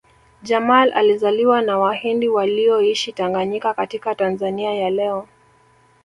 Jamal alizaliwa na Wahindi walioishi Tanganyika katika Tanzania ya leo